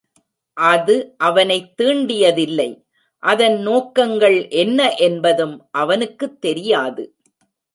அது அவனைத் தீண்டியதில்லை அதன் நோக்கங்கள் என்ன என்பதும் அவனுக்குத் தெரியாது.